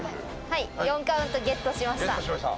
はい４カウントゲットしました